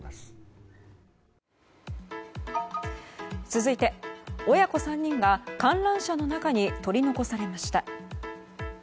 続いて、親子３人が観覧車の中に取り残されました。